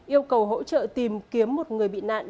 yêu cầu hỗ trợ tìm kiếm một người bị nạn